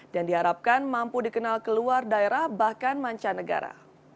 dan diharapkan mampu dikenal ke luar daerah bahkan manca negara